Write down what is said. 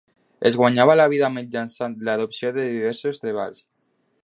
Es guanyava la vida mitjançant l'adopció de diversos treballs.